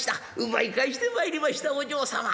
奪い返してまいりましたお嬢様」。